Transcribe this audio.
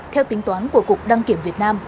theo tính toán của cục đăng kiểm việt nam